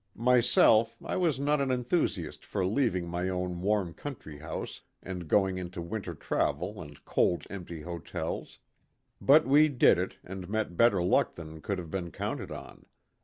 Myself I was not an enthusiast for leaving my own warm country house and going into winter travel and cold empty hotels; but we did it, and met better luck than could have been counted on.